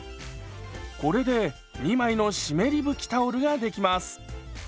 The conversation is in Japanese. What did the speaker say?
これで２枚の湿り拭きタオルができます。